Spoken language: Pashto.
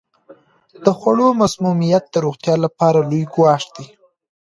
د خوړو مسمومیت د روغتیا لپاره لوی ګواښ دی.